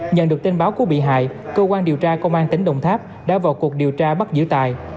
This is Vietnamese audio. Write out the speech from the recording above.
nhận được tin báo của bị hại cơ quan điều tra công an tỉnh đồng tháp đã vào cuộc điều tra bắt giữ tài